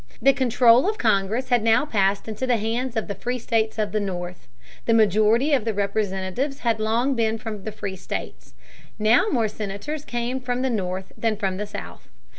The control of Congress had now passed into the hands of the free states of the North. The majority of the Representatives had long been from the free states. Now more Senators came from the North than from the South.